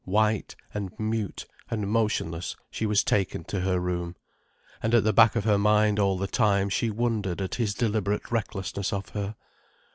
White, and mute, and motionless, she was taken to her room. And at the back of her mind all the time she wondered at his deliberate recklessness of her.